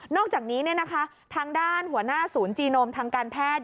อกจากนี้ทางด้านหัวหน้าศูนย์จีโนมทางการแพทย์